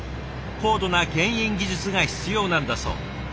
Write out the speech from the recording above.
高度なけん引技術が必要なんだそう。